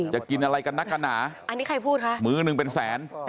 จะกินอะไรกันนักกันหนามื้อหนึ่งเป็นแสนอันนี้ใครพูดคะ